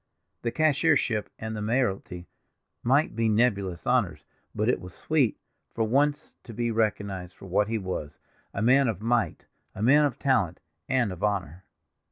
The cashiership and the mayoralty might be nebulous honors, but it was sweet, for once, to be recognized for what he was—a man of might; a man of talent, and of honor.